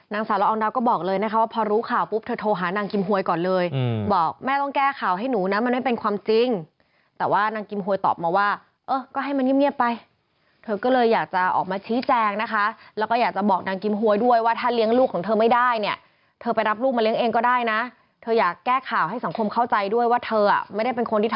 นางสาวละอองดาวก็บอกเลยนะคะว่าพอรู้ข่าวปุ๊บเธอโทรหานางกิมหวยก่อนเลยบอกแม่ต้องแก้ข่าวให้หนูนะมันไม่เป็นความจริงแต่ว่านางกิมหวยตอบมาว่าเออก็ให้มันเงียบไปเธอก็เลยอยากจะออกมาชี้แจงนะคะแล้วก็อยากจะบอกนางกิมหวยด้วยว่าถ้าเลี้ยงลูกของเธอไม่ได้เนี่ยเธอไปรับลูกมาเลี้ยงเองก็ได้นะเธออยากแก้ข่าวให้สังคมเข้าใจด้วยว่าเธออ่ะไม่ได้เป็นคนที่ท